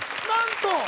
何と！